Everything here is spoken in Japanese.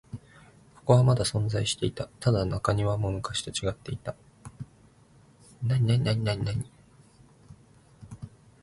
ここはまだ存在していた。ただ、中庭も昔と違っていた。